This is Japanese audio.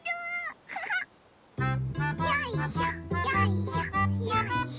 よいしょよいしょよいしょ。